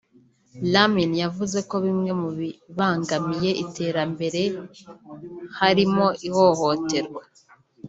Lamin yavuze ko bimwe mu bibangamiye iterambere harimo ihohoterwa